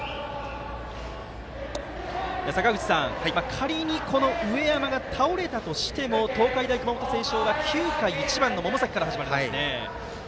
坂口さん、仮に上山が倒れたとしても東海大熊本星翔は９回は１番の百崎から始まります。